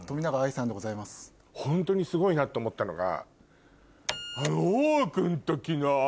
ホントにすごいなって思ったのが。